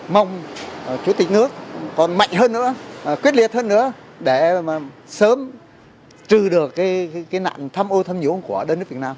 mong chủ tịch nước còn mạnh hơn nữa quyết liệt hơn nữa để sớm trừ được cái nạn tham ô thâm nhũng của đất nước việt nam